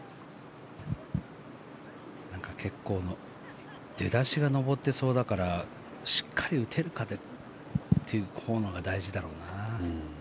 結構、出だしが上ってそうだからしっかり打てるかっていうほうが大事だろうな。